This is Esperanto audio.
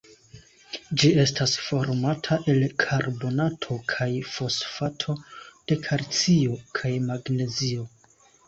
Ĝi estas formata el karbonato kaj fosfato de kalcio kaj magnezio.